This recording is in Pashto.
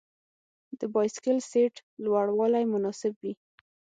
د بایسکل سیټ لوړوالی مناسب وي.